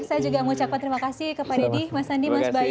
ya saya juga mau ucapkan terima kasih kepada dih mas andi mas bayu